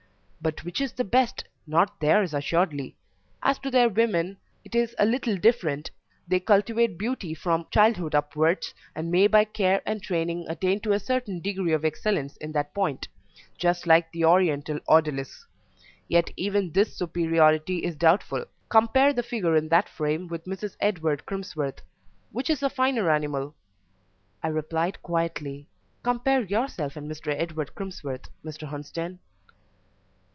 But which is the best? Not theirs assuredly. As to their women, it is a little different: they cultivate beauty from childhood upwards, and may by care and training attain to a certain degree of excellence in that point, just like the oriental odalisques. Yet even this superiority is doubtful. Compare the figure in that frame with Mrs. Edward Crimsworth which is the finer animal?" I replied quietly: "Compare yourself and Mr. Edward Crimsworth, Mr Hunsden."